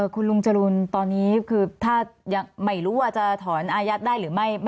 คุณลุงจรูนตอนนี้คือถ้ายังไม่รู้ว่าจะถอนอายัดได้หรือไม่